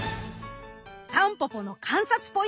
タンポポの観察ポイント